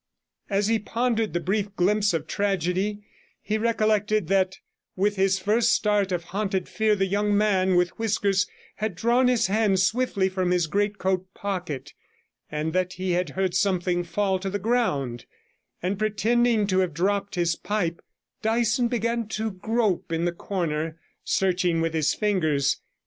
As he pondered the brief glimpse of tragedy, he recollected that with his first start of haunted fear the young man with whiskers had drawn his hand swiftly from his greatcoat pocket, and that he had heard something fall to the ground; and pretending to have dropped his pipe, Dyson began to grope in the corner, searching with his fingers.